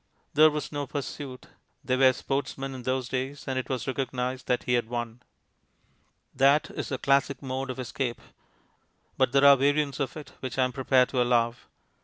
There was no pursuit; they were sportsmen in those days, and it was recognized that he had won. That is the classic mode of escape. But there are variants of it which I am prepared to allow.